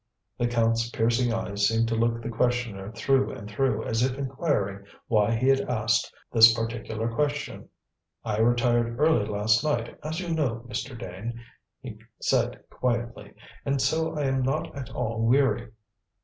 The Count's piercing eyes seemed to look the questioner through and through as if inquiring why he asked this particular question. "I retired early last night, as you know, Mr. Dane," he said quietly, "and so I am not at all weary.